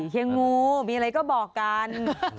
เฮียงูมีอะไรก็บอกกัน